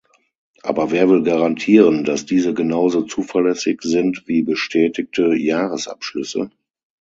Aber wer will garantieren, dass diese genauso zuverlässig sind wie bestätigte Jahresabschlüsse?